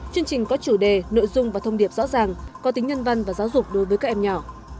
chương trình có chủ đề nội dung và thông điệp rõ ràng có tính nhân văn và giáo dục đối với các em nhỏ